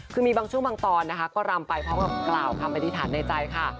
คือมีบางช่วงบางตอนนะคะก็รำไปพร้อมกับกล่าวคำอธิษฐานในใจค่ะ